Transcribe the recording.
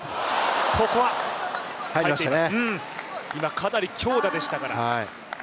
かなり強打でしたから。